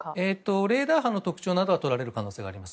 レーダーなどの特徴などはとられる可能性があります。